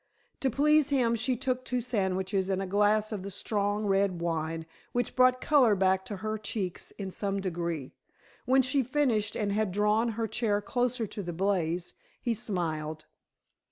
To please him she took two sandwiches, and a glass of the strong red wine, which brought color back to her cheeks in some degree. When she finished, and had drawn her chair closer to the blaze, he smiled.